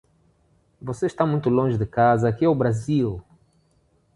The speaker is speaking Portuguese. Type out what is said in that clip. Você está muito longe de casa, aqui é o Brasil!